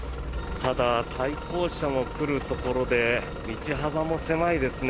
ただ、対向車も来るところで道幅も狭いですね。